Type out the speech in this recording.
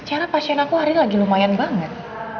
karena pasien aku hari ini lagi lumayan banget